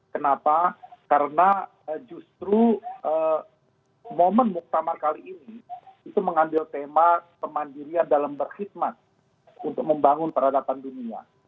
kenapa karena justru momen muktamar kali ini itu mengambil tema pemandirian dalam berkhidmat untuk membangun peradaban dunia